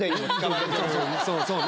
そうね